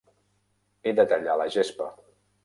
He de tallar la gespa.